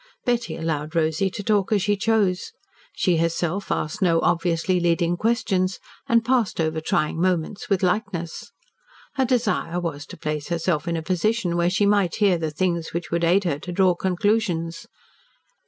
Betty allowed Rosy to talk as she chose. She herself asked no obviously leading questions and passed over trying moments with lightness. Her desire was to place herself in a position where she might hear the things which would aid her to draw conclusions.